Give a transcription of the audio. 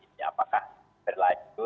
ya itu mungkin akan berlaku